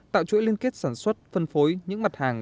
tạo chuỗi liên kết sản xuất phân phối những mặt hàng